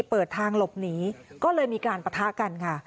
เปิดทางหลบหนีก็เลยมีการปะทะกันค่ะ